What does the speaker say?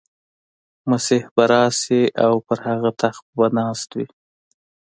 مسیح به راشي او پر هغه تخت به ناست وي.